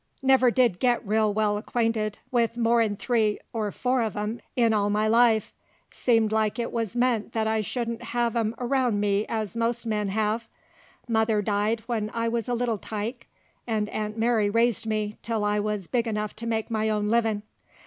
Never did get real well acquainted with more'n three or four uv 'em in all my life; seemed like it wuz meant that I shouldn't hev 'em round me as most men hev. Mother died when I wuz a little tyke, an' Aunt Mary raised me till I wuz big enuff to make my own livin'.